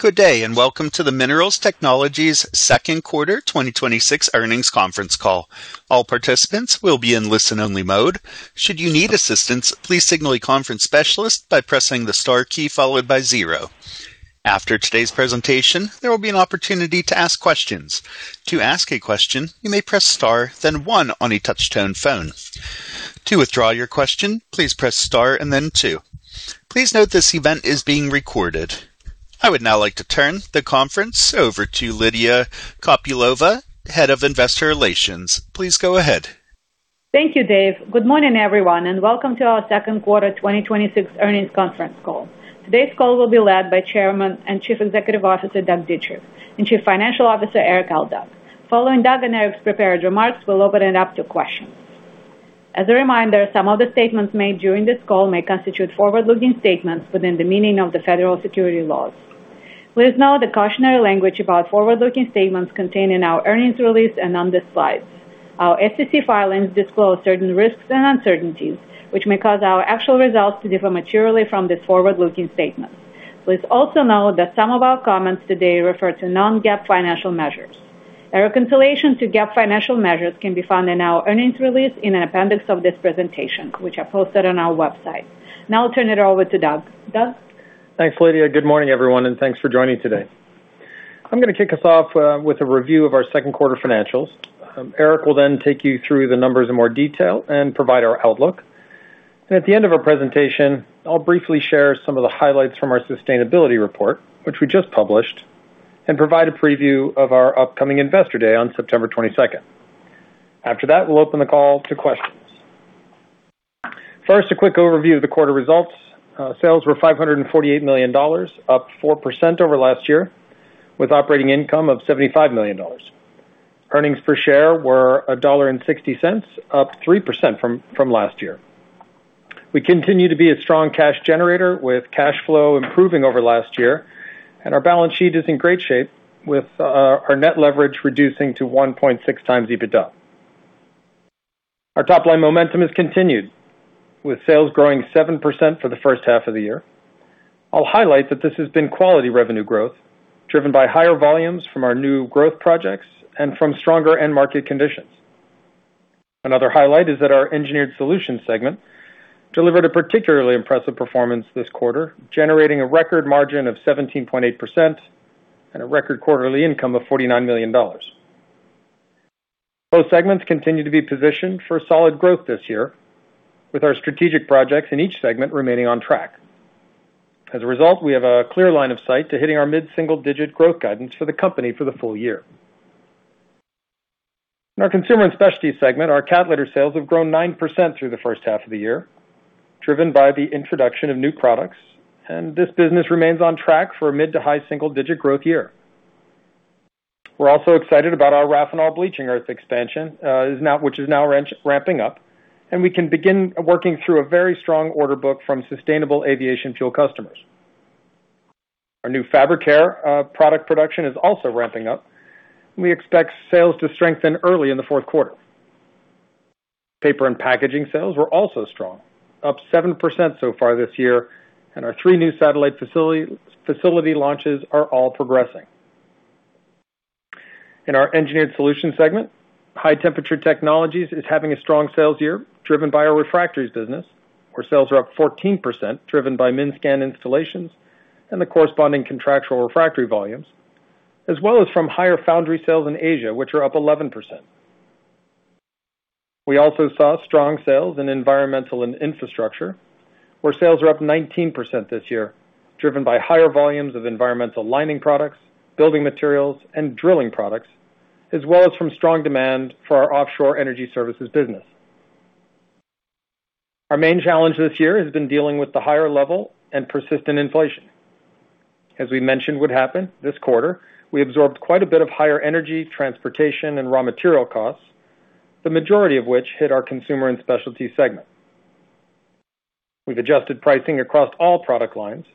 Good day, welcome to the Minerals Technologies Q2 2026 earnings conference call. All participants will be in listen-only mode. Should you need assistance, please signal a conference specialist by pressing the star key followed by zero. After today's presentation, there will be an opportunity to ask questions. To ask a question, you may press star then one on a touch-tone phone. To withdraw your question, please press star and then two. Please note this event is being recorded. I would now like to turn the conference over to Lydia Kopylova, Head of Investor Relations. Please go ahead. Thank you, Dave. Good morning, everyone, welcome to our Q2 2026 earnings conference call. Today's call will be led by Chairman and Chief Executive Officer, Doug Dietrich, and Chief Financial Officer, Erik Aldag. Following Doug and Erik's prepared remarks, we'll open it up to questions. As a reminder, some of the statements made during this call may constitute forward-looking statements within the meaning of the federal securities laws. Please note the cautionary language about forward-looking statements contained in our earnings release and on the slides. Our SEC filings disclose certain risks and uncertainties, which may cause our actual results to differ materially from these forward-looking statements. Please also note that some of our comments today refer to non-GAAP financial measures. A reconciliation to GAAP financial measures can be found in our earnings release in an appendix of this presentation, which are posted on our website. I'll turn it over to Doug. Doug? Thanks, Lydia. Good morning, everyone, thanks for joining today. I'm gonna kick us off with a review of our Q2 financials. Erik will take you through the numbers in more detail and provide our outlook. At the end of our presentation, I'll briefly share some of the highlights from our sustainability report, which we just published, and provide a preview of our upcoming Investor Day on September 22nd. After that, we'll open the call to questions. First, a quick overview of the quarter results. Sales were $548 million, up 4% over last year, with operating income of $75 million. Earnings per share were $1.60, up 3% from last year. We continue to be a strong cash generator, with cash flow improving over last year, our balance sheet is in great shape, with our net leverage reducing to 1.6x EBITDA. Our top-line momentum has continued, with sales growing 7% for the H1 of the year. I'll highlight that this has been quality revenue growth, driven by higher volumes from our new growth projects and from stronger end market conditions. Another highlight is that our Engineered Solutions segment delivered a particularly impressive performance this quarter, generating a record margin of 17.8% and a record quarterly income of $49 million. Both segments continue to be positioned for solid growth this year, with our strategic projects in each segment remaining on track. As a result, we have a clear line of sight to hitting our mid-single-digit growth guidance for the company for the full year. In our Consumer & Specialties segment, our cat litter sales have grown 9% through the H1 of the year, driven by the introduction of new products, and this business remains on track for a mid to high single digit growth year. We're also excited about our RAFINOL bleaching earth expansion, which is now ramping up, and we can begin working through a very strong order book from sustainable aviation fuel customers. Our new Fabricare product production is also ramping up. We expect sales to strengthen early in the Q4. Paper and packaging sales were also strong, up 7% so far this year, and our three new satellite facility launches are all progressing. In our Engineered Solutions segment, High-Temperature Technologies is having a strong sales year, driven by our refractories business, where sales are up 14%, driven by MinScan installations and the corresponding contractual refractory volumes, as well as from higher foundry sales in Asia, which are up 11%. We also saw strong sales in Environmental & Infrastructure, where sales are up 19% this year, driven by higher volumes of environmental lining products, building materials, and drilling products, as well as from strong demand for our offshore energy services business. Our main challenge this year has been dealing with the higher level and persistent inflation. As we mentioned would happen, this quarter, we absorbed quite a bit of higher energy, transportation, and raw material costs, the majority of which hit our Consumer & Specialties segment. We've adjusted pricing across all product lines,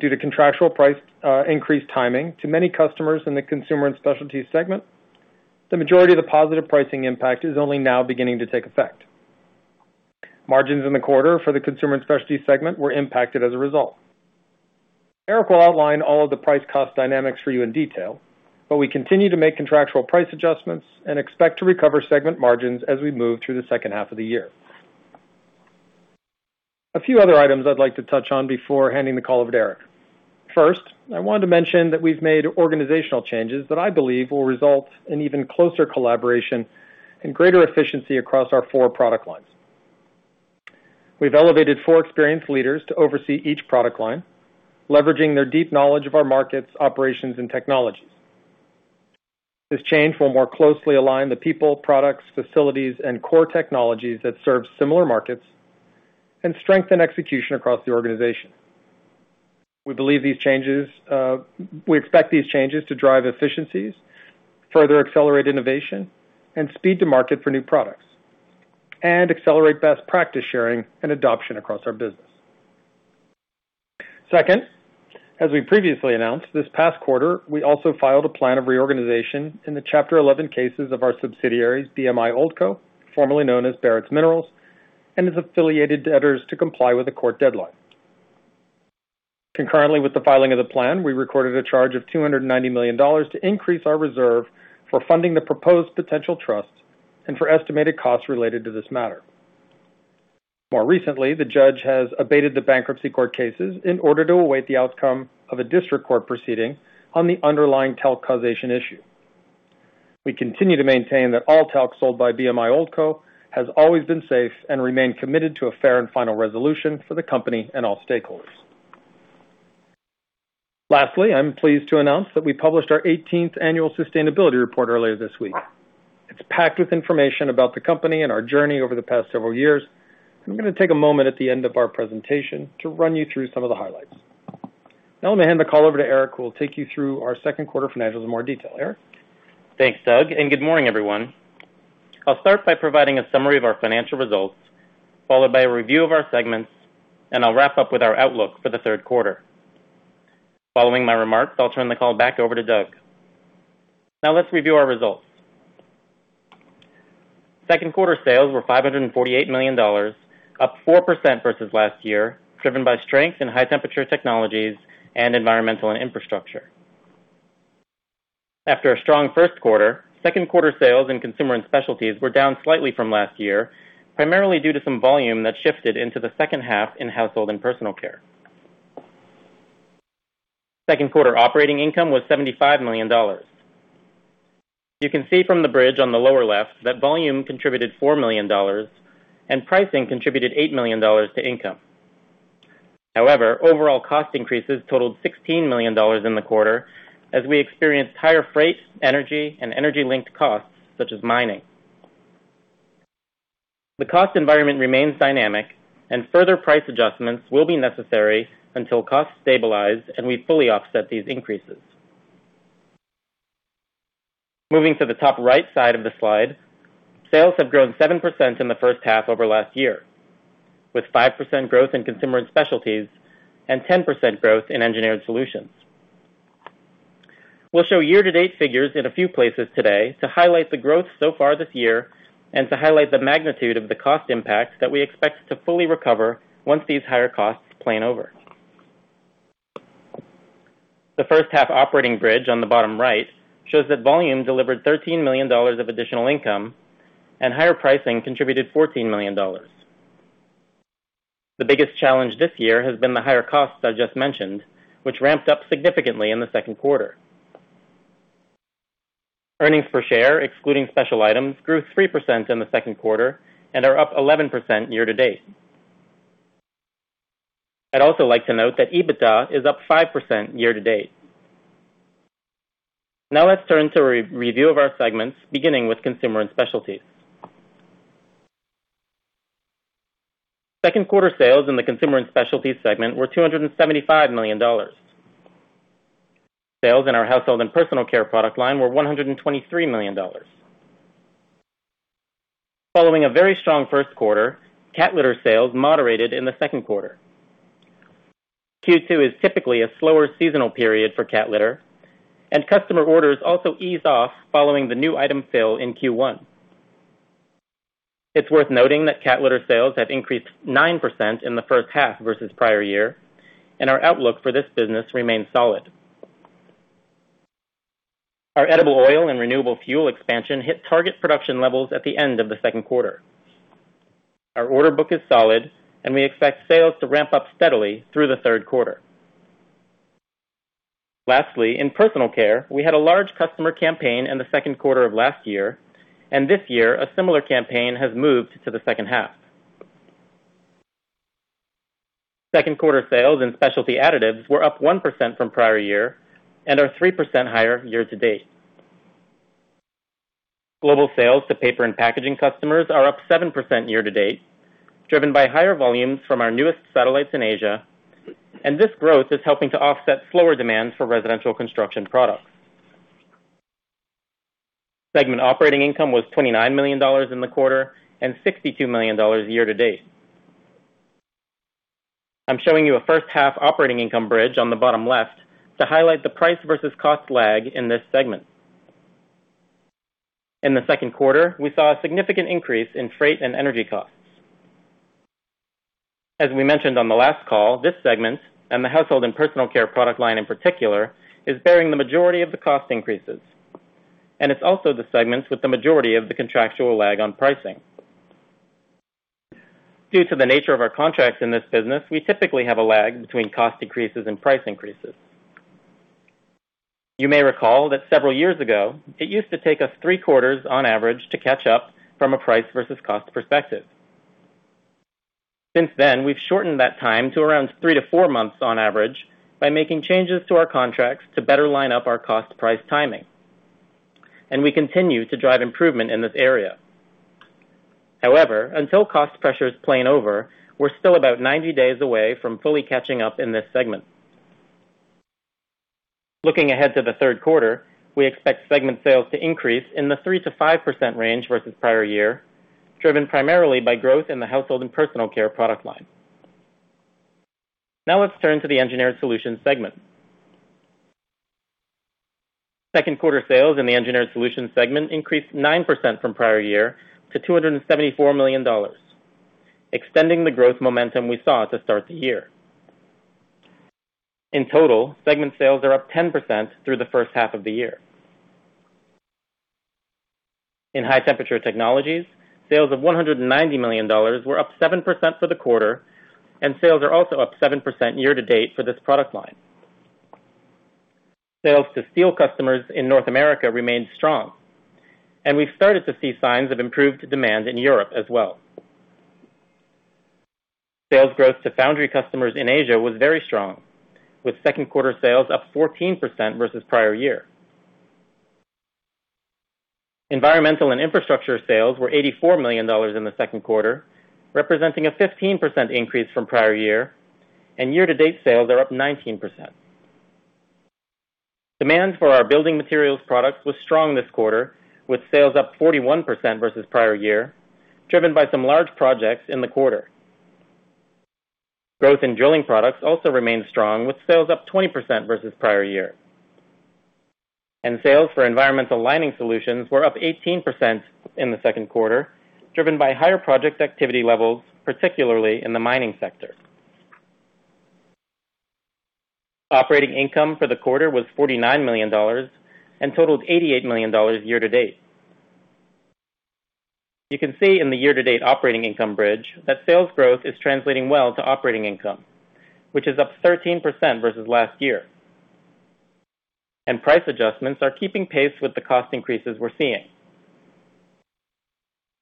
due to contractual price increase timing to many customers in the Consumer & Specialties segment, the majority of the positive pricing impact is only now beginning to take effect. Margins in the quarter for the Consumer & Specialties segment were impacted as a result. Erik will outline all of the price cost dynamics for you in detail, we continue to make contractual price adjustments and expect to recover segment margins as we move through the H2 of the year. A few other items I'd like to touch on before handing the call over to Erik. First, I wanted to mention that we've made organizational changes that I believe will result in even closer collaboration and greater efficiency across our four product lines. We've elevated four experienced leaders to oversee each product line, leveraging their deep knowledge of our markets, operations, and technologies. This change will more closely align the people, products, facilities, and core technologies that serve similar markets and strengthen execution across the organization. We expect these changes to drive efficiencies, further accelerate innovation, and speed to market for new products, and accelerate best practice sharing and adoption across our business. Second, as we previously announced this past quarter, we also filed a plan of reorganization in the Chapter 11 cases of our subsidiaries, BMI OldCo, formerly known as Barretts Minerals. Its affiliated debtors to comply with the court deadline. Concurrently, with the filing of the plan, we recorded a charge of $290 million to increase our reserve for funding the proposed potential trust and for estimated costs related to this matter. More recently, the judge has abated the bankruptcy court cases in order to await the outcome of a district court proceeding on the underlying talc causation issue. We continue to maintain that all talc sold by BMI OldCo has always been safe and remain committed to a fair and final resolution for the company and all stakeholders. Lastly, I'm pleased to announce that we published our 18th annual sustainability report earlier this week. It's packed with information about the company and our journey over the past several years. I'm going to take a moment at the end of our presentation to run you through some of the highlights. Now let me hand the call over to Erik, who will take you through our Q2 financials in more detail. Erik? Thanks, Doug. Good morning, everyone. I'll start by providing a summary of our financial results, followed by a review of our segments. I'll wrap up with our outlook for the Q3. Following my remarks, I'll turn the call back over to Doug. Let's review our results. Second quarter sales were $548 million, up 4% versus last year, driven by strength in High-Temperature Technologies and Environmental & Infrastructure. After a strong Q1, Q2 sales in Consumer & Specialties were down slightly from last year, primarily due to some volume that shifted into the H2 in Household & Personal Care. Q2 operating income was $75 million. You can see from the bridge on the lower left that volume contributed $4 million and pricing contributed $8 million to income. Overall cost increases totaled $16 million in the quarter as we experienced higher freight, energy, and energy-linked costs, such as mining. The cost environment remains dynamic. Further price adjustments will be necessary until costs stabilize and we fully offset these increases. Moving to the top right side of the slide, sales have grown 7% in the H1 over last year, with 5% growth in Consumer & Specialties and 10% growth in Engineered Solutions. We'll show year-to-date figures in a few places today to highlight the growth so far this year and to highlight the magnitude of the cost impacts that we expect to fully recover once these higher costs plane over. The H1 operating bridge on the bottom right shows that volume delivered $13 million of additional income. Higher pricing contributed $14 million. The biggest challenge this year has been the higher costs I just mentioned, which ramped up significantly in the Q2. Earnings per share, excluding special items, grew 3% in the Q2 and are up 11% year-to-date. I'd also like to note that EBITDA is up 5% year-to-date. Let's turn to a review of our segments, beginning with Consumer & Specialties. Q2 sales in the Consumer & Specialties segment were $275 million. Sales in our Household & Personal Care product line were $123 million. Following a very strong Q1, cat litter sales moderated in the Q2. Q2 is typically a slower seasonal period for cat litter, and customer orders also ease off following the new item fill in Q1. It's worth noting that cat litter sales have increased 9% in the H1 versus the prior year, and our outlook for this business remains solid. Our edible oil and renewable fuel expansion hit target production levels at the end of the Q2. Our order book is solid, and we expect sales to ramp up steadily through the Q3. Lastly, in personal care, we had a large customer campaign in the Q2 of last year, and this year, a similar campaign has moved to the H2. Q2 sales and Specialty Additives were up 1% from the prior year and are 3% higher year-to-date. Global sales to paper and packaging customers are up 7% year-to-date, driven by higher volumes from our newest satellites in Asia, and this growth is helping to offset slower demand for residential construction products. Segment operating income was $29 million in the quarter and $62 million year-to-date. I'm showing you a H1 operating income bridge on the bottom left to highlight the price versus cost lag in this segment. In the Q2, we saw a significant increase in freight and energy costs. As we mentioned on the last call, this segment and the Household & Personal Care product line in particular, is bearing the majority of the cost increases, and it's also the segment with the majority of the contractual lag on pricing. Due to the nature of our contracts in this business, we typically have a lag between cost increases and price increases. You may recall that several years ago, it used to take us three quarters on average to catch up from a price versus cost perspective. Since then, we've shortened that time to around three to four months on average by making changes to our contracts to better line up our cost-price timing, and we continue to drive improvement in this area. However, until cost pressures plateau over, we're still about 90 days away from fully catching up in this segment. Looking ahead to the Q3, we expect segment sales to increase in the 3%-5% range versus the prior year, driven primarily by growth in the Household & Personal Care product line. Let's turn to the Engineered Solutions segment. Q2 sales in the Engineered Solutions segment increased 9% from prior year to $274 million, extending the growth momentum we saw to start the year. In total, segment sales are up 10% through the H1 of the year. In High-Temperature Technologies, sales of $190 million were up 7% for the quarter. Sales are also up 7% year-to-date for this product line. Sales to steel customers in North America remained strong. We've started to see signs of improved demand in Europe as well. Sales growth to foundry customers in Asia was very strong, with Q2 sales up 14% versus prior year. Environmental & Infrastructure sales were $84 million in the Q2, representing a 15% increase from prior year. Year-to-date sales are up 19%. Demand for our building materials products was strong this quarter, with sales up 41% versus prior year, driven by some large projects in the quarter. Growth in drilling products also remained strong with sales up 20% versus prior year. Sales for environmental lining solutions were up 18% in the Q2, driven by higher project activity levels, particularly in the mining sector. Operating income for the quarter was $49 million and totaled $88 million year-to-date. You can see in the year-to-date operating income bridge that sales growth is translating well to operating income, which is up 13% versus last year. Price adjustments are keeping pace with the cost increases we're seeing.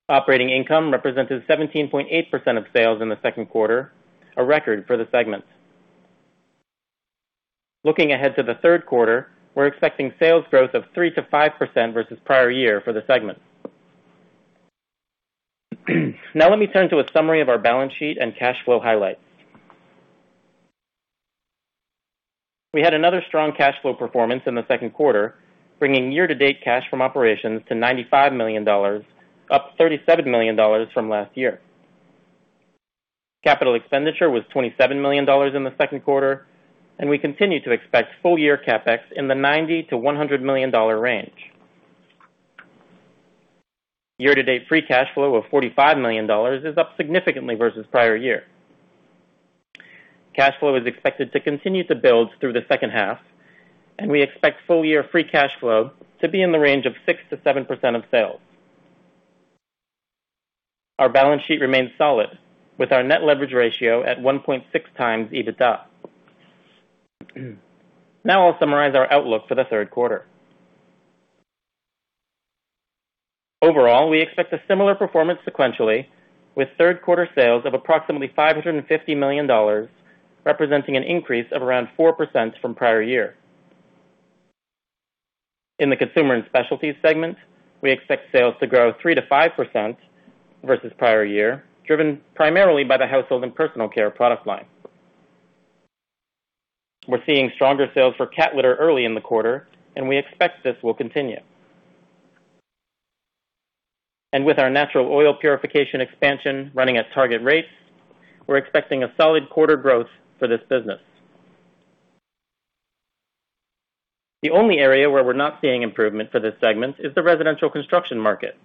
Operating income represented 17.8% of sales in the Q2, a record for the segment. Looking ahead to the Q3, we're expecting sales growth of 3%-5% versus prior year for the segment. Let me turn to a summary of our balance sheet and cash flow highlights. We had another strong cash flow performance in the Q2, bringing year-to-date cash from operations to $95 million, up $37 million from last year. Capital expenditure was $27 million in the Q2. We continue to expect full year CapEx in the $90 million-$100 million range. Year-to-date free cash flow of $45 million is up significantly versus prior year. Cash flow is expected to continue to build through the H2. We expect full year free cash flow to be in the range of 6%-7% of sales. Our balance sheet remains solid, with our net leverage ratio at 1.6x EBITDA. I'll summarize our outlook for the Q3. Overall, we expect a similar performance sequentially with Q3 sales of approximately $550 million, representing an increase of around 4% from prior year. In the Consumer & Specialties segment, we expect sales to grow 3%-5% versus prior year, driven primarily by the Household & Personal Care product line. We're seeing stronger sales for cat litter early in the quarter. We expect this will continue. With our natural oil purification expansion running at target rates, we're expecting a solid quarter growth for this business. The only area where we're not seeing improvement for this segment is the residential construction market,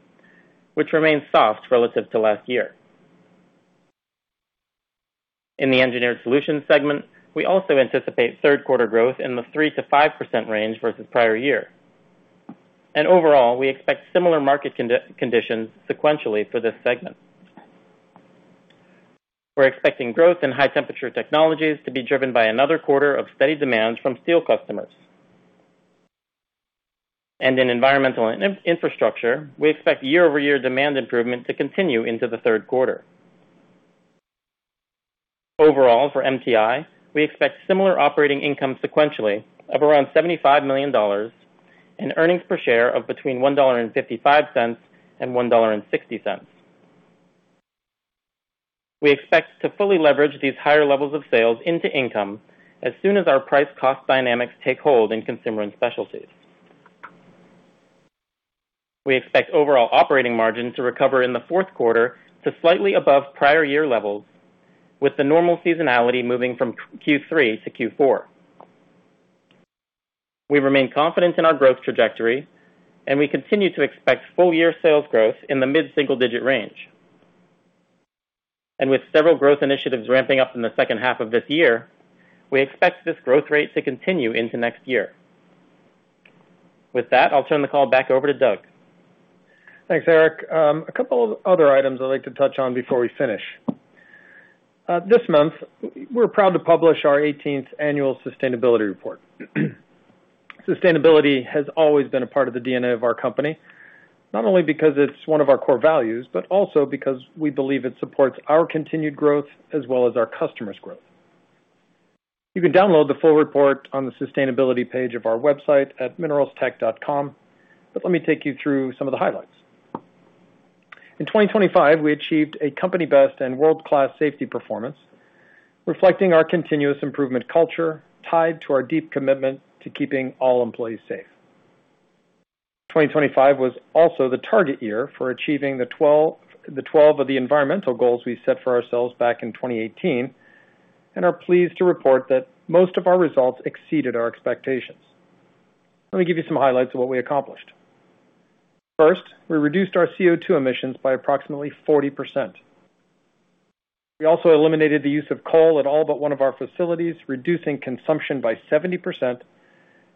which remains soft relative to last year. In the Engineered Solutions segment, we also anticipate Q3 growth in the 3%-5% range versus prior year. Overall, we expect similar market conditions sequentially for this segment. We're expecting growth in High-Temperature Technologies to be driven by another quarter of steady demand from steel customers. In Environmental & Infrastructure, we expect year-over-year demand improvement to continue into the Q3. Overall, for MTI, we expect similar operating income sequentially of around $75 million and earnings per share of between $1.55 and $1.60. We expect to fully leverage these higher levels of sales into income as soon as our price cost dynamics take hold in Consumer & Specialties. We expect overall operating margin to recover in the Q4 to slightly above prior year levels with the normal seasonality moving from Q3-Q4. We remain confident in our growth trajectory, and we continue to expect full year sales growth in the mid-single digit range. With several growth initiatives ramping up in the H2 of this year, we expect this growth rate to continue into next year. With that, I'll turn the call back over to Doug. Thanks, Erik. A couple of other items I'd like to touch on before we finish. This month, we're proud to publish our 18th annual sustainability report. Sustainability has always been a part of the DNA of our company, not only because it's one of our core values, but also because we believe it supports our continued growth as well as our customers' growth. You can download the full report on the sustainability page of our website at mineralstech.com, but let me take you through some of the highlights. In 2025, we achieved a company best and world-class safety performance, reflecting our continuous improvement culture tied to our deep commitment to keeping all employees safe. 2025 was also the target year for achieving the 12 of the environmental goals we set for ourselves back in 2018, and are pleased to report that most of our results exceeded our expectations. Let me give you some highlights of what we accomplished. First, we reduced our CO2 emissions by approximately 40%. We also eliminated the use of coal at all but one of our facilities, reducing consumption by 70%,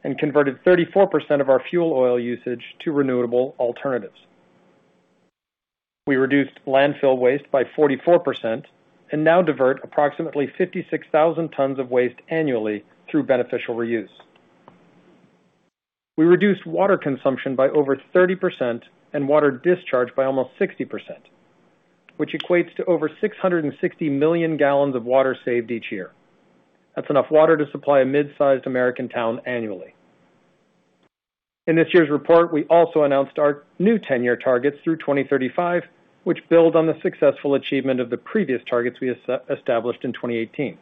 and converted 34% of our fuel oil usage to renewable alternatives. We reduced landfill waste by 44% and now divert approximately 56,000 tons of waste annually through beneficial reuse. We reduced water consumption by over 30% and water discharge by almost 60%, which equates to over 660 million gallons of water saved each year. That's enough water to supply a mid-sized American town annually. In this year's report, we also announced our new ten-year targets through 2035, which build on the successful achievement of the previous targets we established in 2018.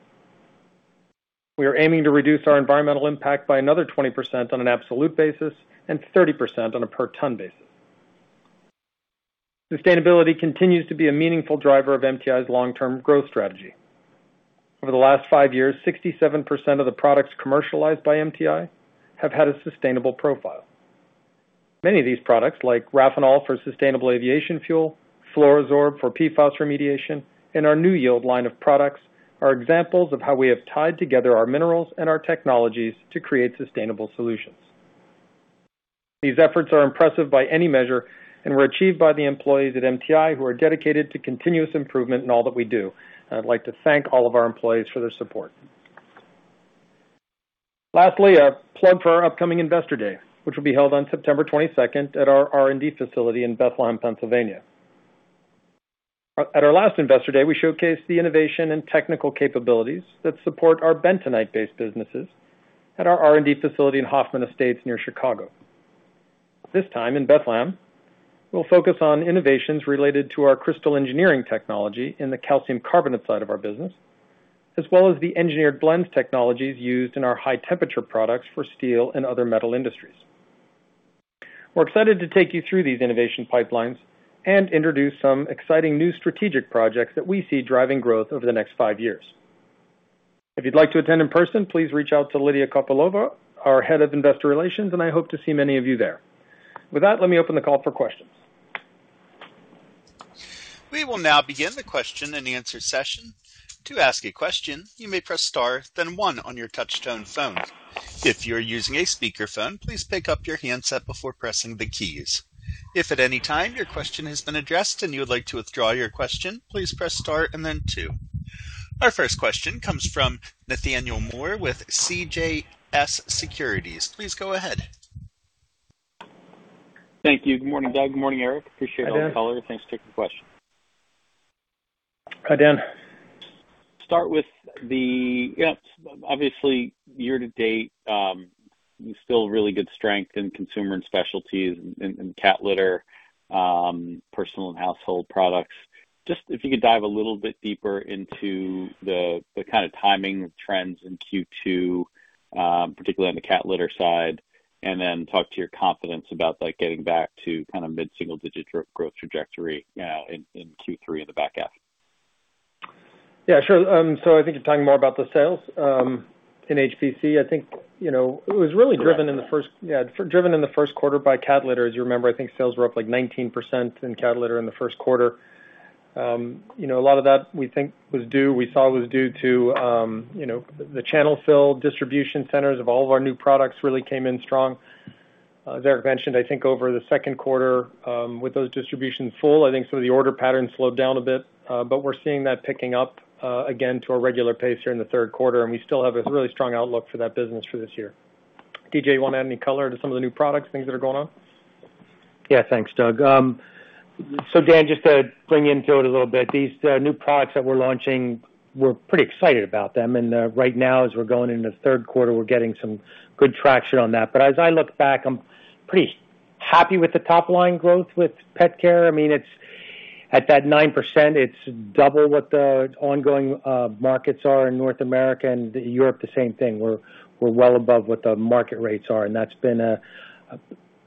We are aiming to reduce our environmental impact by another 20% on an absolute basis and 30% on a per ton basis. Sustainability continues to be a meaningful driver of MTI's long-term growth strategy. Over the last five years, 67% of the products commercialized by MTI have had a sustainable profile. Many of these products, like RAFINOL for sustainable aviation fuel, Fluoro-Sorb for PFOS remediation, and our new Yield line of products, are examples of how we have tied together our minerals and our technologies to create sustainable solutions. These efforts are impressive by any measure and were achieved by the employees at MTI who are dedicated to continuous improvement in all that we do. I'd like to thank all of our employees for their support. Lastly, a plug for our upcoming Investor Day, which will be held on September 22nd at our R&D facility in Bethlehem, Pennsylvania. At our last Investor Day, we showcased the innovation and technical capabilities that support our bentonite-based businesses at our R&D facility in Hoffman Estates near Chicago. This time, in Bethlehem, we'll focus on innovations related to our crystal engineering technology in the calcium carbonate side of our business, as well as the engineered blends technologies used in our High-Temperature Technologies products for steel and other metal industries. We're excited to take you through these innovation pipelines and introduce some exciting new strategic projects that we see driving growth over the next five years. If you'd like to attend in person, please reach out to Lydia Kopylova, our Head of Investor Relations, and I hope to see many of you there. With that, let me open the call for questions. We will now begin the question-and-answer session. To ask a question, you may press star then one on your touchtone phone. If you're using a speakerphone, please pick up your handset before pressing the keys. If at any time your question has been addressed and you would like to withdraw your question, please press star and then two. Our first question comes from Daniel Moore with CJS Securities. Please go ahead. Thank you. Good morning, Doug. Good morning, Erik. Hi, Dan. Appreciate all the color. Thanks. Take the question. Hi, Dan. Start with the, obviously, year-to-date, you still really good strength in Consumer & Specialties and cat litter, personal and household products. Just if you could dive a little bit deeper into the kind of timing of trends in Q2, particularly on the cat litter side, and then talk to your confidence about getting back to mid-single-digit growth trajectory now in Q3, in the back half. I think you're talking more about the sales, in HPC. I think it was really driven in the Q1 by cat litter. As you remember, I think sales were up, like, 19% in cat litter in the Q1. A lot of that we saw was due to the channel fill distribution centers of all of our new products really came in strong. As Erik mentioned, I think over the Q2, with those distributions full, I think some of the order patterns slowed down a bit. We're seeing that picking up again to a regular pace here in the Q3, and we still have a really strong outlook for that business for this year. D.J., you want to add any color to some of the new products, things that are going on? Yeah, thanks, Doug. Dan, just to bring into it a little bit, these new products that we're launching, we're pretty excited about them. Right now, as we're going into the Q3, we're getting some good traction on that. As I look back, I'm pretty happy with the top-line growth with pet care. I mean, it's at that 9%, it's double what the ongoing markets are in North America and Europe, the same thing. We're well above what the market rates are, and that's been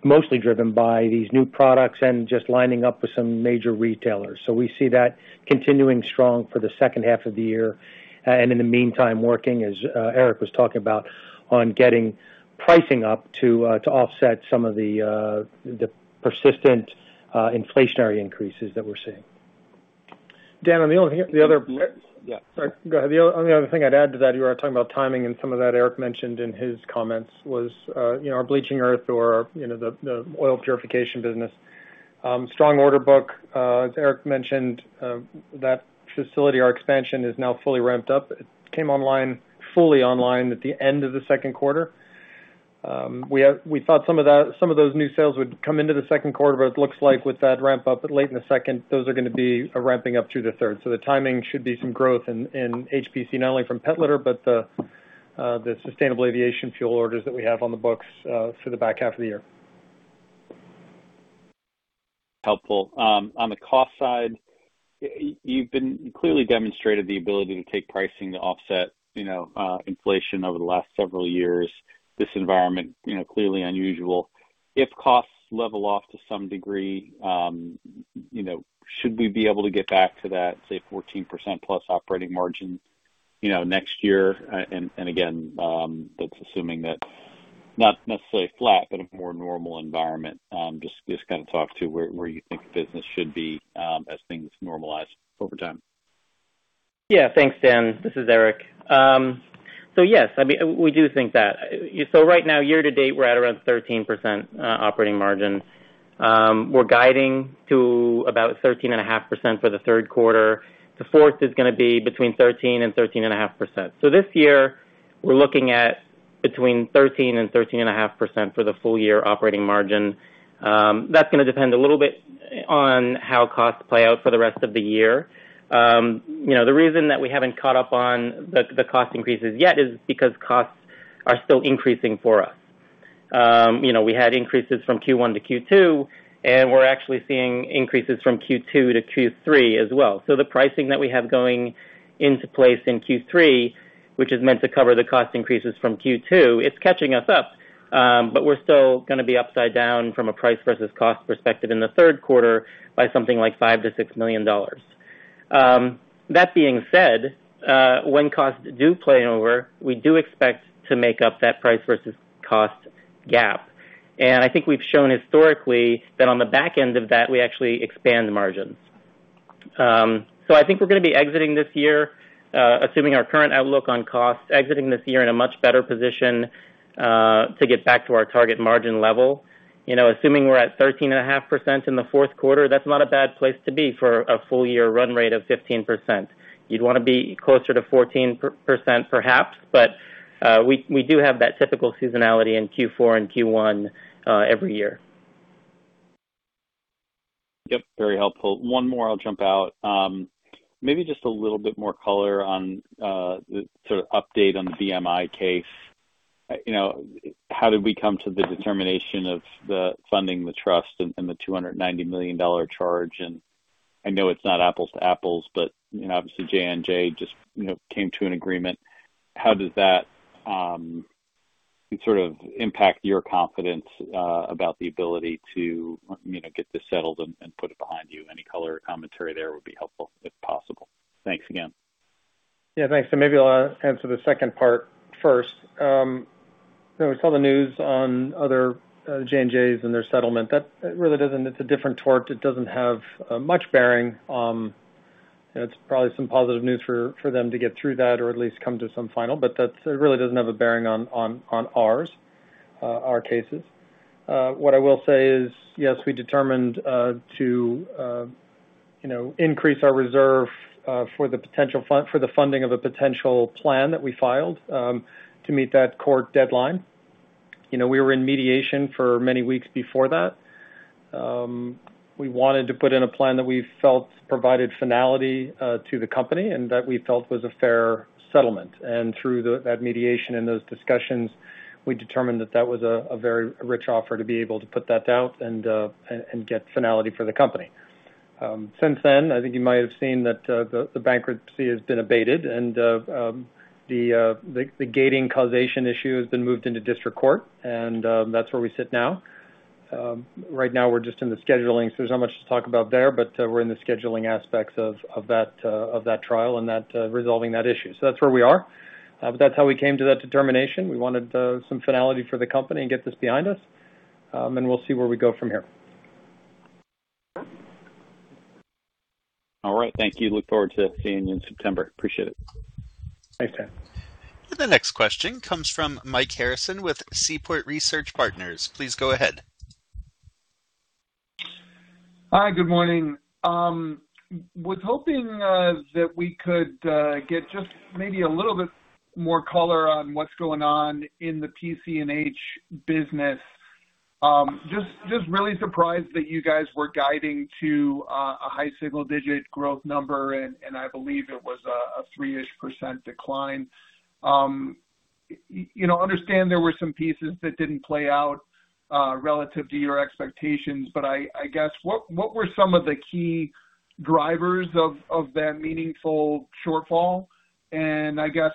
mostly driven by these new products and just lining up with some major retailers. We see that continuing strong for the H2 of the year. In the meantime, working as Erik was talking about, on getting pricing up to offset some of the persistent inflationary increases that we're seeing. Dan, on the other thing I'd add to that, you are talking about timing and some of that Erik mentioned in his comments was our bleaching earth or the oil purification business. Strong order book. As Erik mentioned, that facility, our expansion is now fully ramped up. It came fully online at the end of the Q2. We thought some of those new sales would come into the Q2, but it looks like with that ramp up late in the second, those are going to be ramping up through the third. The timing should be some growth in HPC, not only from pet litter, but the sustainable aviation fuel orders that we have on the books for the back half of the year. Helpful. On the cost side, you've clearly demonstrated the ability to take pricing to offset inflation over the last several years. This environment, clearly unusual. If costs level off to some degree, should we be able to get back to that, say, 14%+ operating margin next year? Again, that's assuming that not necessarily flat, but a more normal environment. Just kind of talk to where you think business should be as things normalize over time. Yeah. Thanks, Dan. This is Erik. Yes, we do think that. Right now, year-to-date, we're at around 13% operating margin. We're guiding to about 13.5% for the Q3. The fourth is going to be between 13% and 13.5%. This year, we're looking at between 13% and 13.5% for the full year operating margin. That's going to depend a little bit on how costs play out for the rest of the year. The reason that we haven't caught up on the cost increases yet is because costs are still increasing for us. We had increases from Q1-Q2, and we're actually seeing increases from Q2-Q3 as well. The pricing that we have going into place in Q3, which is meant to cover the cost increases from Q2, it's catching us up, but we're still going to be upside down from a price versus cost perspective in the Q3 by something like $5 million-$6 million. When costs do play over, we do expect to make up that price versus cost gap. I think we've shown historically that on the back end of that, we actually expand margins. I think we're going to be exiting this year, assuming our current outlook on costs, exiting this year in a much better position to get back to our target margin level. Assuming we're at 13.5% in the Q4, that's not a bad place to be for a full year run rate of 15%. You'd want to be closer to 14%, perhaps. We do have that typical seasonality in Q4 and Q1 every year. Yep, very helpful. One more, I'll jump out. Maybe just a little bit more color on the sort of update on the BMI case. How did we come to the determination of the funding the trust and the $290 million charge? I know it's not apples to apples, but obviously J&J just came to an agreement. How does that sort of impact your confidence about the ability to get this settled and put it behind you? Any color or commentary there would be helpful, if possible. Thanks again. Yeah, thanks. Maybe I'll answer the second part first. We saw the news on other J&Js and their settlement. It's a different tort. It doesn't have much bearing. It's probably some positive news for them to get through that or at least come to some final, but it really doesn't have a bearing on ours, our cases. What I will say is, yes, we determined to increase our reserve for the funding of a potential plan that we filed to meet that court deadline. We were in mediation for many weeks before that. We wanted to put in a plan that we felt provided finality to the company and that we felt was a fair settlement. Through that mediation and those discussions, we determined that that was a very rich offer to be able to put that out and get finality for the company. Since then, I think you might have seen that the bankruptcy has been abated and the gating causation issue has been moved into district court, and that's where we sit now. Right now, we're just in the scheduling, so there's not much to talk about there, but we're in the scheduling aspects of that trial and resolving that issue. That's where we are. That's how we came to that determination. We wanted some finality for the company and get this behind us, and we'll see where we go from here. All right. Thank you. Look forward to seeing you in September. Appreciate it. Thanks, Dan. The next question comes from Michael Harrison with Seaport Research Partners. Please go ahead. Hi. Good morning. Was hoping that we could get just maybe a little bit more color on what's going on in the PC and H business. Just really surprised that you guys were guiding to a high single-digit growth number, and I believe it was a three-ish% decline. Understand there were some pieces that didn't play out relative to your expectations, but I guess, what were some of the key drivers of that meaningful shortfall?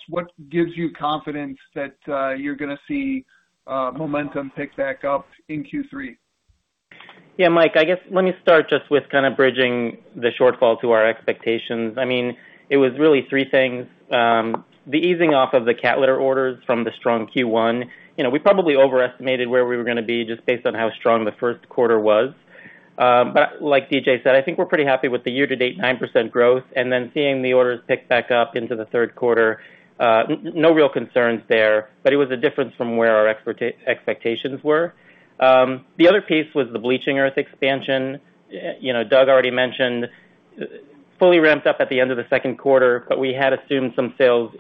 What gives you confidence that you're going to see momentum pick back up in Q3? Mike, I guess let me start just with kind of bridging the shortfall to our expectations. It was really three things. The easing off of the cat litter orders from the strong Q1. We probably overestimated where we were going to be just based on how strong the first quarter was. Like D.J. said, I think we're pretty happy with the year-to-date 9% growth and then seeing the orders pick back up into the Q3. No real concerns there, but it was a difference from where our expectations were. The other piece was the bleaching earth expansion. Doug already mentioned, fully ramped up at the end of the Q2, but we had assumed some sales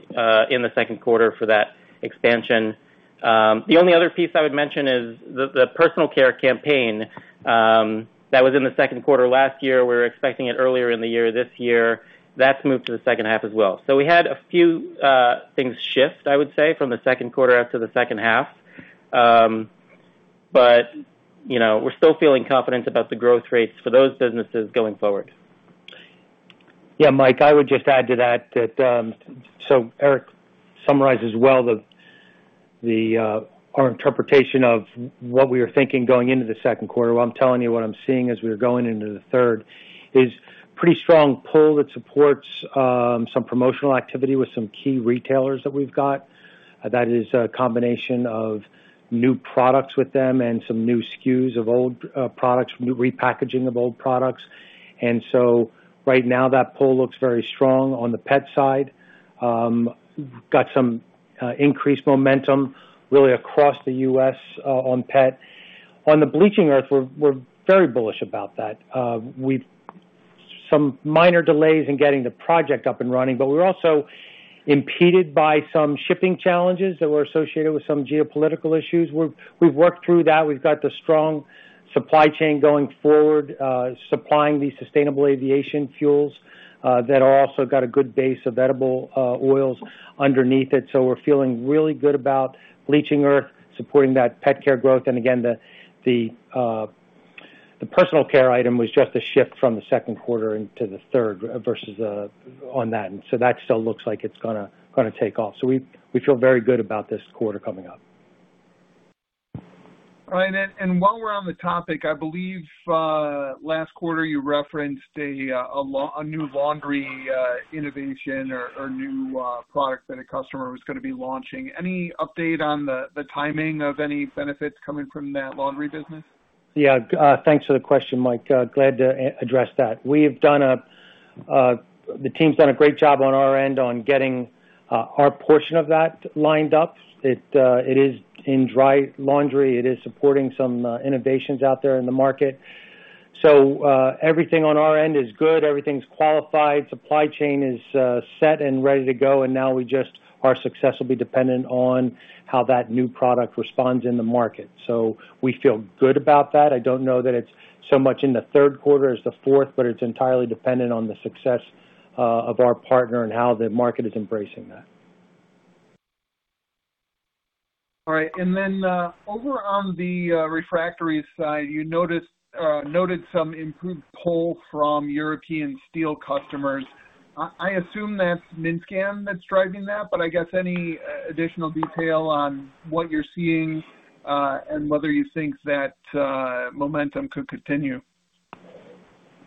in the Q2 for that expansion. The only other piece I would mention is the personal care campaign that was in the second quarter last year. We were expecting it earlier in the year this year. That's moved to the H2 as well. We had a few things shift, I would say, from the Q2 out to the H2. We're still feeling confident about the growth rates for those businesses going forward. Mike, I would just add to that. Erik summarizes well our interpretation of what we were thinking going into the Q2. What I'm telling you, what I'm seeing as we are going into the third, is pretty strong pull that supports some promotional activity with some key retailers that we've got. That is a combination of new products with them and some new SKUs of old products, new repackaging of old products. Right now that pull looks very strong on the pet side. Got some increased momentum really across the U.S. on pet. On the bleaching earth, we're very bullish about that. Some minor delays in getting the project up and running, but we're also impeded by some shipping challenges that were associated with some geopolitical issues. We've worked through that. We've got the strong supply chain going forward supplying the sustainable aviation fuels that also got a good base of edible oils underneath it. We're feeling really good about bleaching earth supporting that pet care growth, and again, the personal care item was just a shift from the Q2 into the third versus on that. That still looks like it's going to take off. We feel very good about this quarter coming up. While we're on the topic, I believe last quarter you referenced a new laundry innovation or a new product that a customer was going to be launching. Any update on the timing of any benefits coming from that laundry business? Yeah. Thanks for the question, Mike. Glad to address that. The team's done a great job on our end on getting our portion of that lined up. It is in dry laundry. It is supporting some innovations out there in the market. Everything on our end is good. Everything's qualified. Supply chain is set and ready to go. Now our success will be dependent on how that new product responds in the market. We feel good about that. I don't know that it's so much in the Q3 as the fourth, but it's entirely dependent on the success of our partner and how the market is embracing that. All right. Over on the refractories side, you noted some improved pull from European steel customers. I assume that's MinScans that's driving that, but I guess any additional detail on what you're seeing, and whether you think that momentum could continue?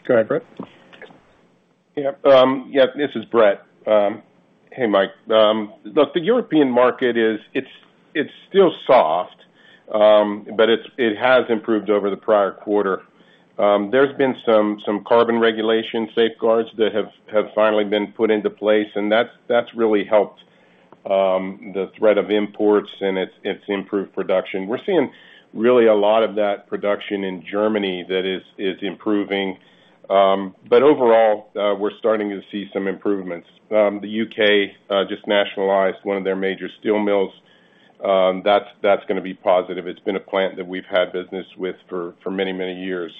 Go ahead, Brett. This is Brett. Hey, Mike. The European market is still soft. It has improved over the prior quarter. There's been some carbon regulation safeguards that have finally been put into place, and that's really helped the threat of imports, and it's improved production. We're seeing really a lot of that production in Germany that is improving. Overall, we're starting to see some improvements. The U.K. just nationalized one of their major steel mills. That's going to be positive. It's been a plant that we've had business with for many, many years.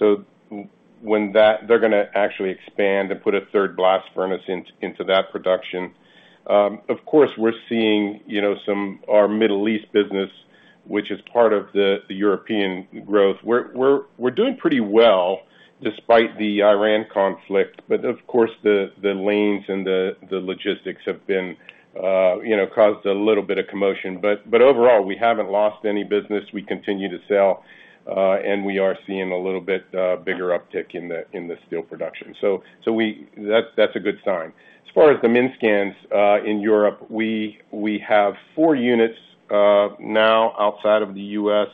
They're going to actually expand and put a third blast furnace into that production. Of course, we're seeing our Middle East business, which is part of the European growth. We're doing pretty well despite the Iran conflict. Of course, the lanes and the logistics have caused a little bit of commotion. Overall, we haven't lost any business. We continue to sell, and we are seeing a little bit bigger uptick in the steel production. That's a good sign. As far as the Minscans in Europe, we have four units now outside of the U.S.,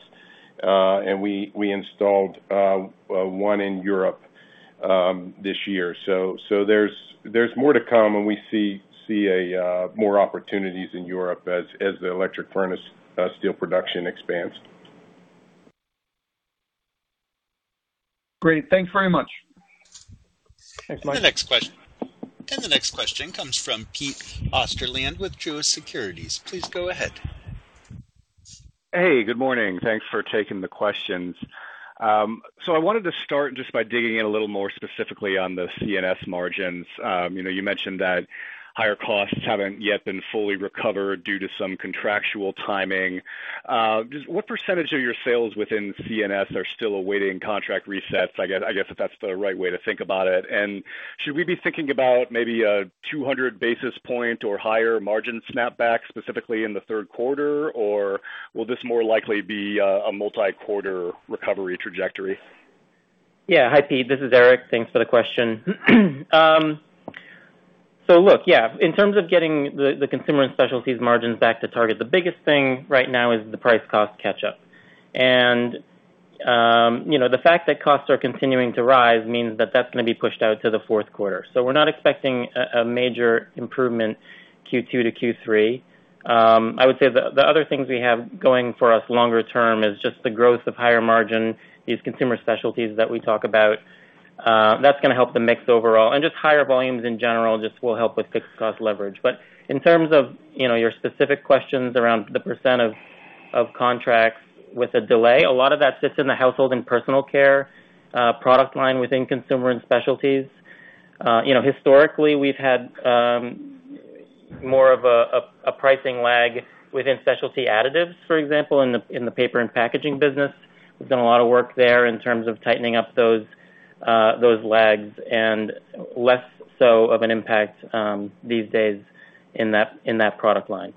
and we installed one in Europe this year. There's more to come, and we see more opportunities in Europe as the electric furnace steel production expands. Great. Thanks very much. Thanks, Mike. The next question comes from Pete Osterland with Truist Securities. Please go ahead. Hey, good morning. Thanks for taking the questions. I wanted to start just by digging in a little more specifically on the C&S margins. You mentioned that higher costs haven't yet been fully recovered due to some contractual timing. Just what percentage of your sales within C&S are still awaiting contract resets? I guess, if that's the right way to think about it. Should we be thinking about maybe a 200 basis point or higher margin snapback specifically in the Q3, or will this more likely be a multi-quarter recovery trajectory? Yeah. Hi, Pete. This is Erik. Thanks for the question. Look, yeah. In terms of getting the Consumer & Specialties margins back to target, the biggest thing right now is the price-cost catch-up. The fact that costs are continuing to rise means that that's going to be pushed out to the Q4. We're not expecting a major improvement Q2 to Q3. I would say the other things we have going for us longer-term is just the growth of higher margin, these Consumer & Specialties that we talk about. That's going to help the mix overall. Just higher volumes in general just will help with fixed cost leverage. In terms of your specific questions around the percentage of contracts with a delay, a lot of that sits in the Household & Personal Care product line within Consumer & Specialties. Historically, we've had more of a pricing lag within Specialty Additives, for example, in the paper and packaging business. We've done a lot of work there in terms of tightening up those lags and less so of an impact these days in that product line.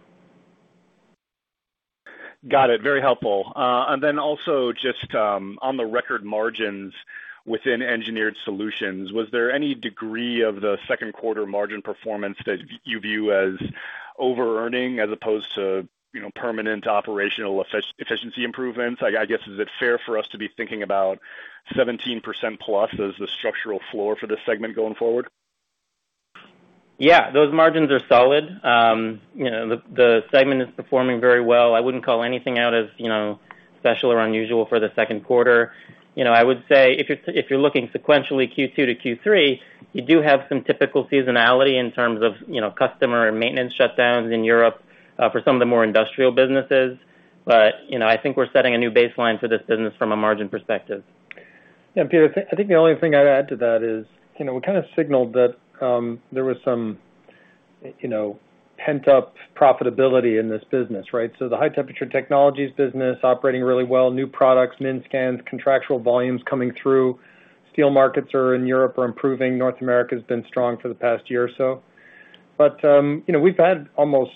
Got it. Very helpful. Also just on the record margins within Engineered Solutions, was there any degree of the Q2 margin performance that you view as overearning as opposed to permanent operational efficiency improvements? I guess, is it fair for us to be thinking about 17%+ as the structural floor for this segment going forward? Yeah, those margins are solid. The segment is performing very well. I wouldn't call anything out as special or unusual for the Q2. I would say, if you're looking sequentially Q2-Q3, you do have some typical seasonality in terms of customer and maintenance shutdowns in Europe for some of the more industrial businesses. I think we're setting a new baseline for this business from a margin perspective. Yeah, Pete, I think the only thing I'd add to that is, we kind of signaled that there was some pent-up profitability in this business, right? The High-Temperature Technologies business operating really well, new products, Minscans, contractual volumes coming through. Steel markets in Europe are improving. North America has been strong for the past year or so. We've had almost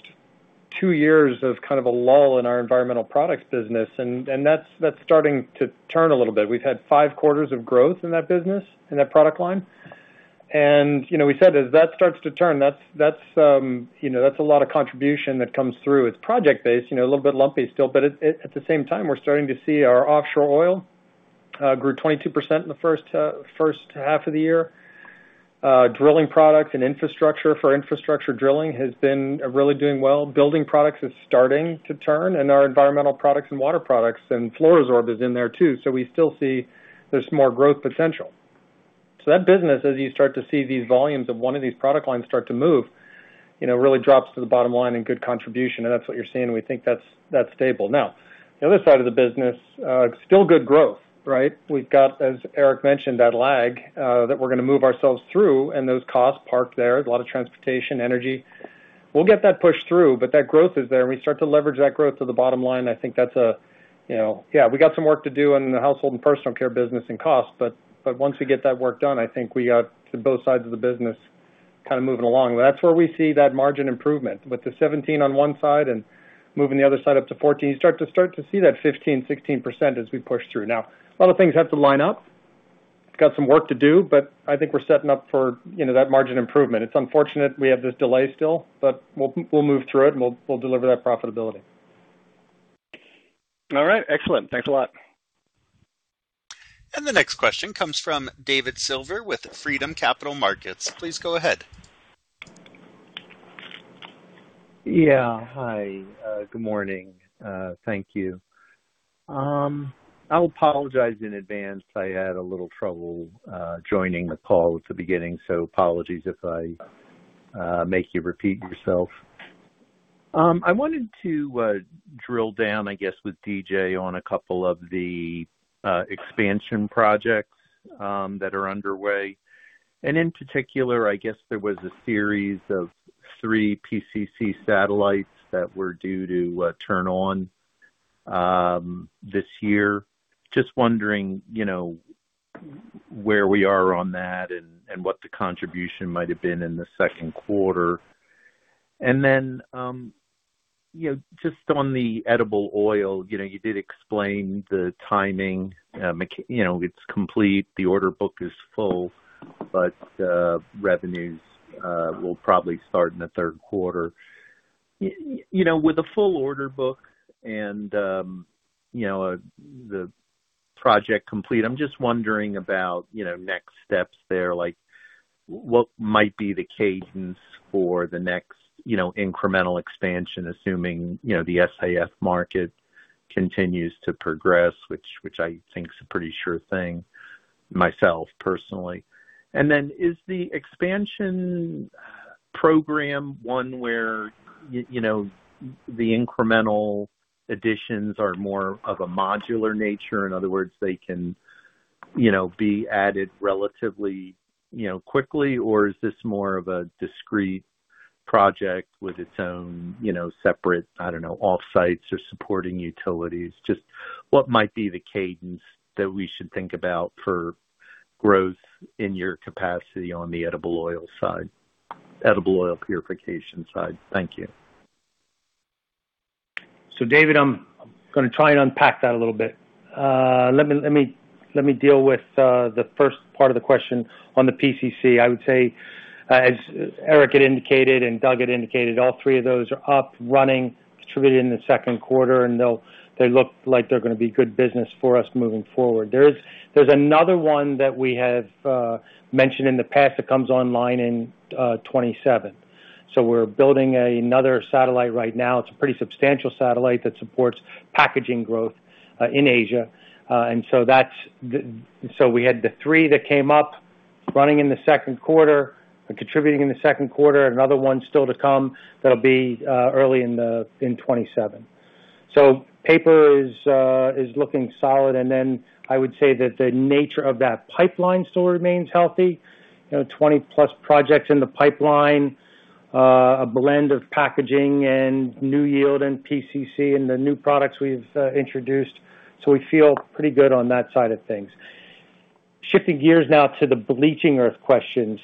two years of kind of a lull in our environmental products business, and that's starting to turn a little bit. We've had five quarters of growth in that business, in that product line. We said as that starts to turn, that's a lot of contribution that comes through. It's project-based, a little bit lumpy still, but at the same time, we're starting to see our offshore oil grew 22% in the H1 of the year. Drilling products and infrastructure for infrastructure drilling has been really doing well. Building products is starting to turn, and our environmental products and water products, and Fluoro-Sorb is in there too. We still see there's more growth potential. That business, as you start to see these volumes of one of these product lines start to move, really drops to the bottom line in good contribution, and that's what you're seeing, and we think that's stable. The other side of the business, still good growth, right? We've got, as Erik mentioned, that lag that we're going to move ourselves through and those costs parked there. There's a lot of transportation, energy. We'll get that pushed through, but that growth is there, and we start to leverage that growth to the bottom line. I think that's yeah, we got some work to do in the Household & Personal Care business and costs. Once we get that work done, I think we got to both sides of the business kind of moving along. That's where we see that margin improvement. With the 17 on one side and moving the other side up to 14, you start to see that 15%, 16% as we push through. Now, a lot of things have to line up. We got some work to do, I think we're setting up for that margin improvement. It's unfortunate we have this delay still, we'll move through it, and we'll deliver that profitability. All right. Excellent. Thanks a lot. The next question comes from David Silver with Freedom Capital Markets. Please go ahead. Yeah. Hi. Good morning. Thank you. I'll apologize in advance. I had a little trouble joining the call at the beginning, apologies if I make you repeat yourself. I wanted to drill down, I guess, with D.J. on a couple of the expansion projects that are underway. In particular, I guess there was a series of three PCC satellites that were due to turn on this year. Just wondering where we are on that and what the contribution might have been in the Q2. Just on the edible oil, you did explain the timing. It's complete. The order book is full, revenues will probably start in the Q3. With a full order book and the project complete, I'm just wondering about next steps there, like what might be the cadence for the next incremental expansion, assuming the SAF market continues to progress, which I think is a pretty sure thing myself, personally. Is the expansion program one where the incremental additions are more of a modular nature? In other words, they can be added relatively quickly, or is this more of a discrete project with its own separate, I don't know, off-sites or supporting utilities? What might be the cadence that we should think about for growth in your capacity on the edible oil side, edible oil purification side? Thank you. David, I'm going to try and unpack that a little bit. Let me deal with the first part of the question on the PCC. I would say, as Erik had indicated and Doug had indicated, all three of those are up, running, distributed in the Q2, and they look like they're going to be good business for us moving forward. There's another one that we have mentioned in the past that comes online in 2027. We're building another satellite right now. It's a pretty substantial satellite that supports packaging growth in Asia. We had the three that came up running in the Q2 and contributing in the Q2. Another one still to come that'll be early in 2027. Paper is looking solid. I would say that the nature of that pipeline still remains healthy. 20+ projects in the pipeline, a blend of packaging and new Yield and PCC and the new products we've introduced. We feel pretty good on that side of things. Shifting gears now to the bleaching earth question.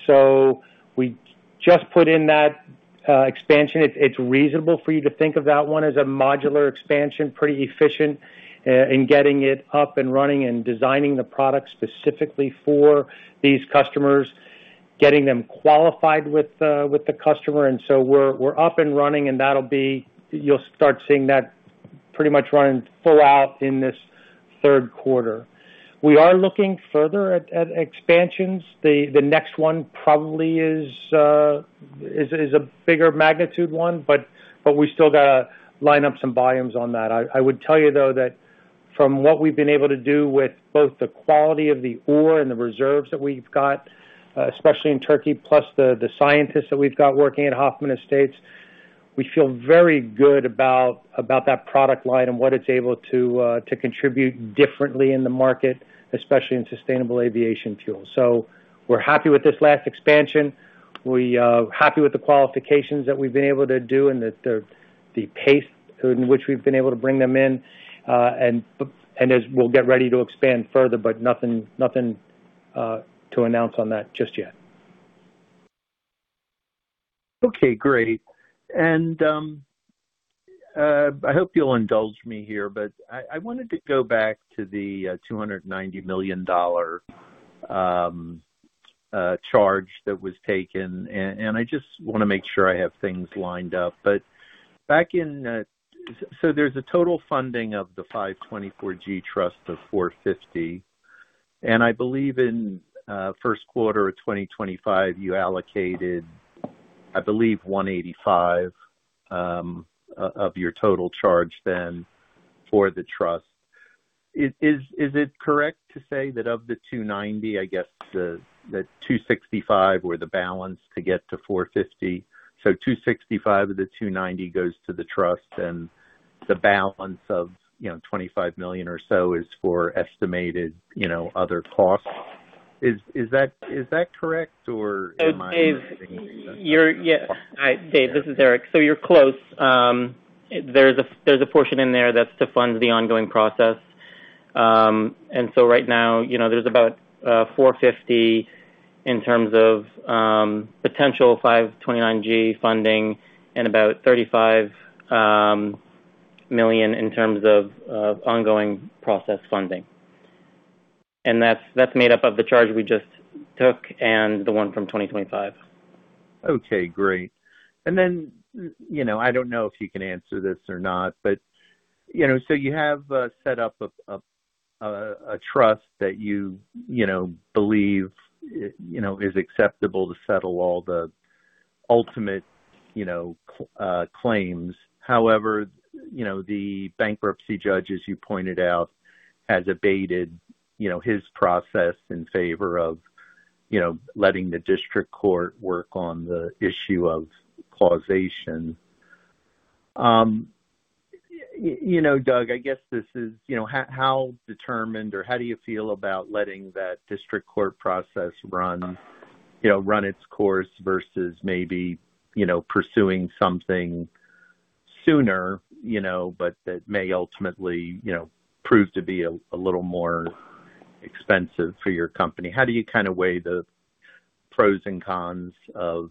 We just put in that expansion. It's reasonable for you to think of that one as a modular expansion, pretty efficient in getting it up and running and designing the product specifically for these customers, getting them qualified with the customer. We're up and running, and you'll start seeing that pretty much running full out in this Q3. We are looking further at expansions. The next one probably is a bigger magnitude one, but we still got to line up some volumes on that. I would tell you, though, that from what we've been able to do with both the quality of the ore and the reserves that we've got, especially in Turkey, plus the scientists that we've got working at Hoffman Estates, we feel very good about that product line and what it's able to contribute differently in the market, especially in sustainable aviation fuel. We're happy with this last expansion. We're happy with the qualifications that we've been able to do and the pace in which we've been able to bring them in. We'll get ready to expand further, nothing to announce on that just yet. Okay, great. I hope you'll indulge me here, but I wanted to go back to the $290 million charge that was taken, and I just want to make sure I have things lined up. There's a total funding of the 524G trust of $450 million, and I believe in Q1 of 2025, you allocated, I believe, $185 million of your total charge then for the trust. Is it correct to say that of the $290 million, I guess the $265 million were the balance to get to $450 million? $265 million of the $290 million goes to the trust and the balance of $25 million or so is for estimated other costs. Is that correct or am I missing something? David, this is Erik. You're close. There's a portion in there that's to fund the ongoing process. Right now, there's about $450 million in terms of potential 524G funding and about $35 million in terms of ongoing process funding. That's made up of the charge we just took and the one from 2025. Okay, great. Then, I don't know if you can answer this or not, but you have set up a trust that you believe is acceptable to settle all the ultimate claims. However, the bankruptcy judge, as you pointed out, has abated his process in favor of letting the district court work on the issue of causation. Doug, I guess this is how determined or how do you feel about letting that district court process run its course versus maybe pursuing something sooner, but that may ultimately prove to be a little more expensive for your company? How do you kind of weigh the pros and cons of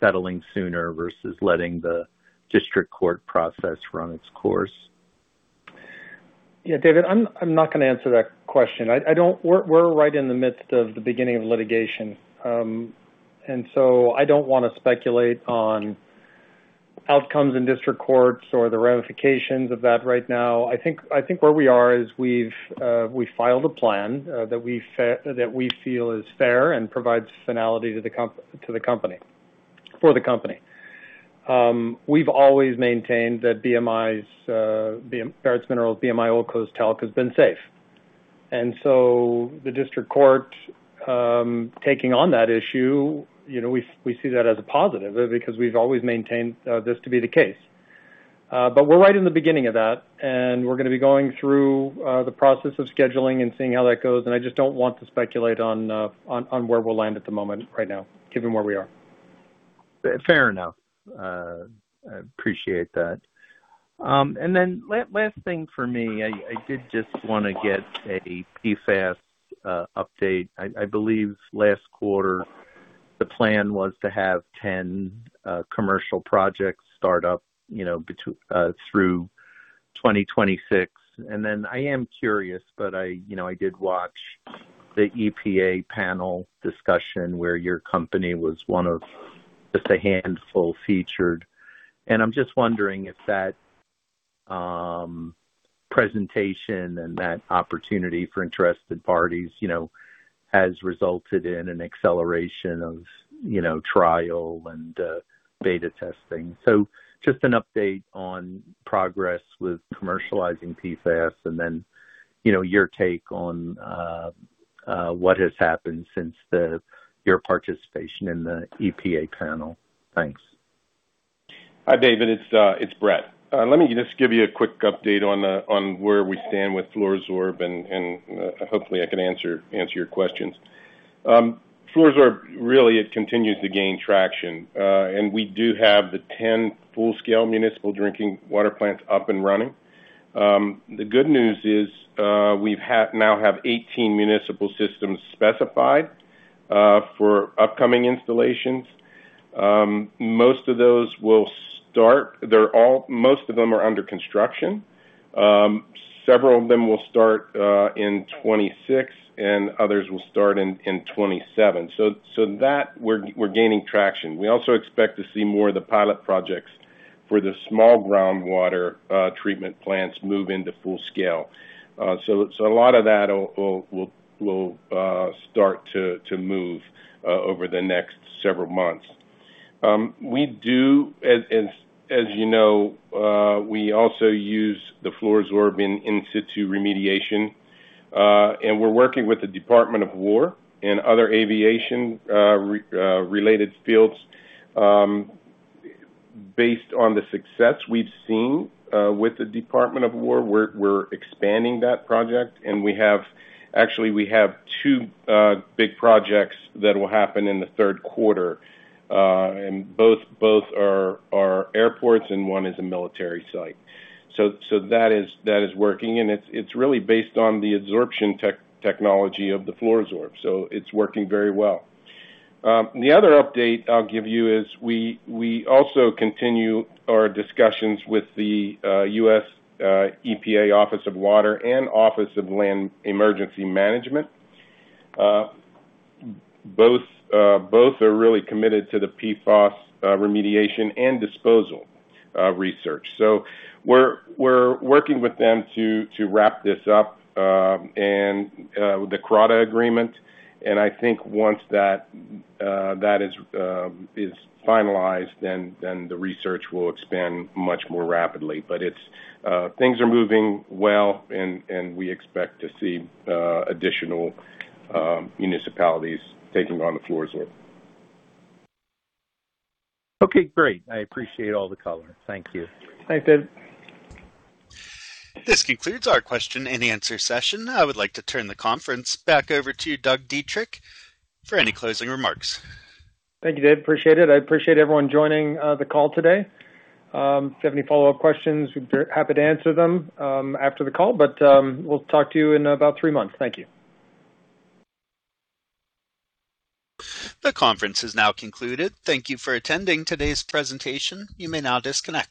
settling sooner versus letting the district court process run its course? Yeah, David, I'm not going to answer that question. We're right in the midst of the beginning of litigation. I don't want to speculate on outcomes in district courts or the ramifications of that right now. I think where we are is we've filed a plan that we feel is fair and provides finality for the company. We've always maintained that BMI's, Barretts Minerals, BMI OldCo Inc. Talc has been safe. The district court taking on that issue, we see that as a positive because we've always maintained this to be the case. We're right in the beginning of that, and we're going to be going through the process of scheduling and seeing how that goes, and I just don't want to speculate on where we'll land at the moment right now, given where we are. Fair enough. I appreciate that. Last thing for me, I did just want to get a PFAS update. I believe last quarter, the plan was to have 10 commercial projects start up through 2026. I am curious, but I did watch the EPA panel discussion where your company was one of just a handful featured. I'm just wondering if that presentation and that opportunity for interested parties has resulted in an acceleration of trial and beta testing. Just an update on progress with commercializing PFAS and then your take on what has happened since your participation in the EPA panel? Thanks. Hi, David. It's Brett. Let me just give you a quick update on where we stand with Fluoro-Sorb, and hopefully I can answer your questions. Fluoro-Sorb really continues to gain traction. We do have the 10 full-scale municipal drinking water plants up and running. The good news is we now have 18 municipal systems specified for upcoming installations. Most of them are under construction. Several of them will start in 2026, and others will start in 2027. That, we're gaining traction. We also expect to see more of the pilot projects for the small groundwater treatment plants move into full scale. A lot of that will start to move over the next several months. As you know, we also use the Fluoro-Sorb in in situ remediation. We're working with the Department of War and other aviation-related fields. Based on the success we've seen with the Department of War, we're expanding that project, and actually, we have two big projects that will happen in the Q3. Both are airports, and one is a military site. That is working, and it's really based on the absorption technology of the Fluoro-Sorb. It's working very well. The other update I'll give you is we also continue our discussions with the U.S. EPA Office of Water and Office of Land and Emergency Management. Both are really committed to the PFAS remediation and disposal research. We're working with them to wrap this up, and with the CRADA agreement, and I think once that is finalized, then the research will expand much more rapidly. Things are moving well, and we expect to see additional municipalities taking on the Fluoro-Sorb. Okay, great. I appreciate all the color. Thank you. Thanks, David. This concludes our question-and-answer session. I would like to turn the conference back over to Doug Dietrich for any closing remarks. Thank you, David. Appreciate it. I appreciate everyone joining the call today. If you have any follow-up questions, we'd be happy to answer them after the call. We'll talk to you in about three months. Thank you. The conference is now concluded. Thank you for attending today's presentation. You may now disconnect.